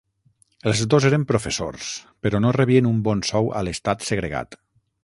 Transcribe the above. Els dos eren professors, però no rebien un bon sou a l'estat segregat.